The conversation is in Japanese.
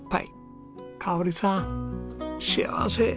香さん幸せ！